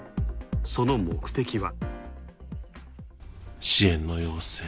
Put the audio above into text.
その目的は。